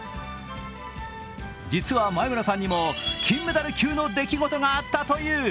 実は前村さんにも金メダル級の出来事があったという。